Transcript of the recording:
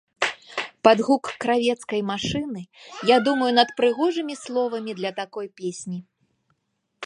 Пад гук кравецкай машыны я думаю над прыгожымі словамі для такой песні.